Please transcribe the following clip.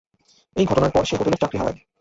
এই ঘটনার পর সে হোটেলের চাকরি হারায়।